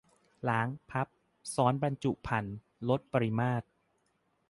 - ล้าง พับ ซ้อนบรรจุภัณฑ์ ลดปริมาตร